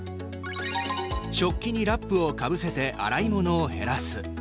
食器にラップをかぶせて洗い物を減らす。